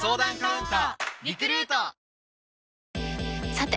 さて！